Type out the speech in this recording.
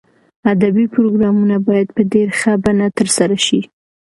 ادبي پروګرامونه باید په ډېر ښه بڼه ترسره شي.